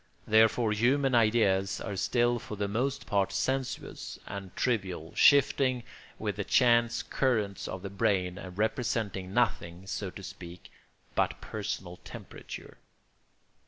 Therefore human ideas are still for the most part sensuous and trivial, shifting with the chance currents of the brain, and representing nothing, so to speak, but personal temperature.